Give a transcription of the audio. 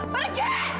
pergi pergi pergi